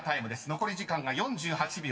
［残り時間が４８秒６］